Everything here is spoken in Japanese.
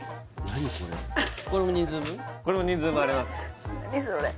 何それ？